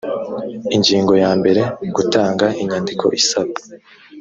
ingingo ya mbere gutanga inyandiko isaba